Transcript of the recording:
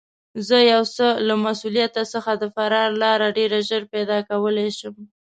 زه یو څه له مسوولیته څخه د فرار لاره ډېر ژر پیدا کولای شم.